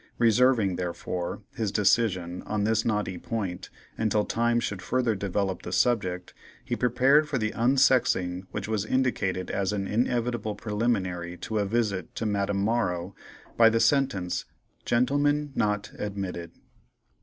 Reserving, therefore, his decision on this knotty point until time should further develop the subject, he prepared for the unsexing which was indicated as an inevitable preliminary to a visit to Madame Morrow, by the sentence "Gentlemen not admitted."